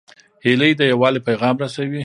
هیلۍ د یووالي پیغام رسوي